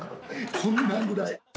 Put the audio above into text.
こんなぐらい。